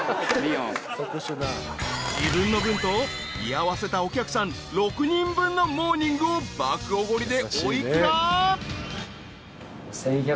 ［自分の分と居合わせたお客さん６人分のモーニングを爆おごりでお幾ら？］